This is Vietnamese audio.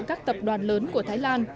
các tập đoàn lớn của thái lan